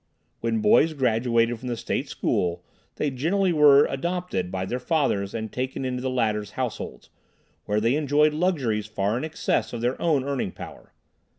When boys graduated from the State School they generally were "adopted" by their fathers and taken into the latter's households, where they enjoyed luxuries far in excess of their own earning power.